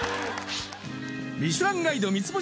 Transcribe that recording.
ミシュランガイド三つ星